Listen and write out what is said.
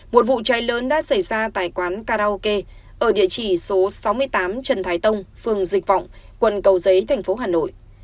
một vụ cháy lớn đã xảy ra tại quán karaoke ở địa chỉ số sáu mươi tám trần thái tông phường dịch vọng quận cầu giấy thành phố hà nội